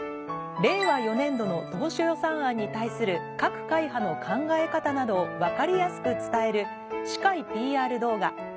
令和４年度の当初予算案に対する各会派の考え方などをわかりやすく伝える市会ＰＲ動画